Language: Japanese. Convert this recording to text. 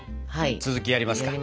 続きやりますか？